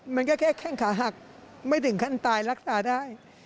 มันก็แค่แข้งขาหักไม่ถึงขั้นตายรักษาได้